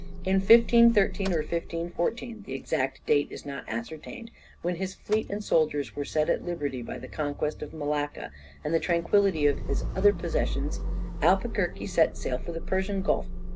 In 1513 or 1514 the exact date is not ascertained when his fleet and soldiers were set at liberty by the conquest of Malacca and the tranquillity of his other possessions, Albuquerque set sail for the Persian Gulf.